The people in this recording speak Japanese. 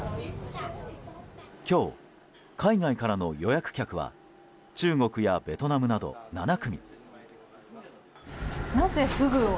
今日、海外からの予約客は中国やベトナムなど７組。